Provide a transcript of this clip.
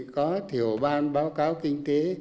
có tiểu ban báo cáo kinh tế